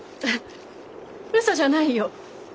嘘じゃないよ